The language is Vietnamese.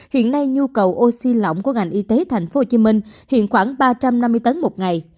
hiện nay nhu cầu oxy lỏng của ngành y tế thành phố hồ chí minh hiện khoảng ba trăm năm mươi tấn một ngày